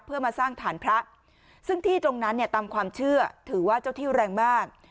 เพื่อมาสร้างฐานพระซึ่งที่ตรงนั้นเนี่ยตามความเชื่อถือว่าเจ้าที่แรงมาก